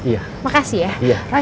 oh di sana makasih ya